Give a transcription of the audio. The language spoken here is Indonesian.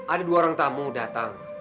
ada dua orang tamu datang